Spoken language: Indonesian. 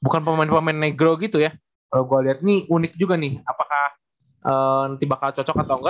bukan pemain pemain negro gitu ya kalau gue lihat ini unik juga nih apakah nanti bakal cocok atau enggak